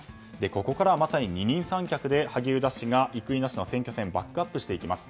ここからは、まさに二人三脚で萩生田氏が生稲氏の選挙戦をバックアップします。